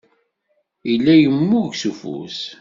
Yella yemmug s ufus.